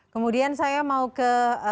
kemudian saya mau ke